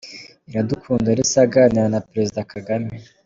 Iradukunda Elsa aganira na Perezida Kagame .